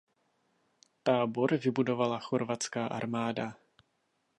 Tábor vybudovala chorvatská armáda.